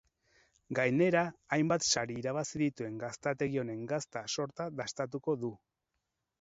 Gainera, hainbat sari irabazi dituen gaztategi honen gazta sorta dastatuko du.